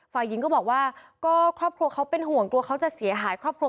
ฝ่ายหญิงก็บอกว่าก็ครอบครัวเขาเป็นห่วงกลัวเขาจะเสียหายครอบครัว